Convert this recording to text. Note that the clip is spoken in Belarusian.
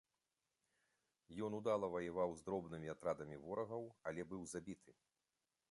Ён удала ваяваў з дробнымі атрадамі ворагаў, але быў забіты.